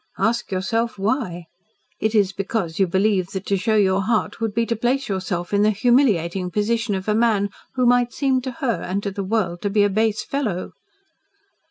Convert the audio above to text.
Ask yourself why. It is because you believe that to show your heart would be to place yourself in the humiliating position of a man who might seem to her and to the world to be a base fellow."